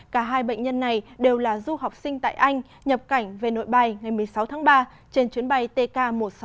cả hai bệnh nhân này đều là du học sinh tại anh nhập cảnh về nội bài ngày một mươi sáu tháng ba trên chuyến bay tk một trăm sáu mươi